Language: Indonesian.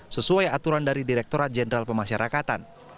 sesuai aturan dari direkturat jenderal pemasyarakatan